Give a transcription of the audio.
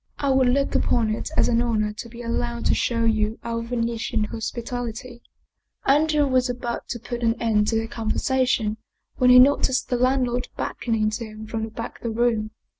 " I would look upon it as an honor to be allowed to show you our Venetian hospitality " Andrea was about to put an end to the conversation when he noticed the landlord beckoning to him from the back of the room.